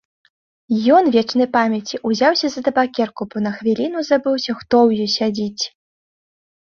Ён, вечнай памяці, узяўся за табакерку, бо на хвіліну забыўся, хто ў ёй сядзіць.